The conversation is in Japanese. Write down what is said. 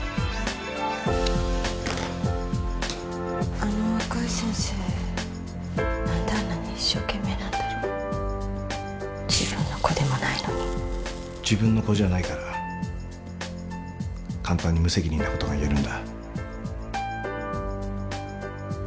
・あの若い先生何であんなに一生懸命なんだろ自分の子でもないのに・自分の子じゃないから簡単に無責任なことが言えるんだ・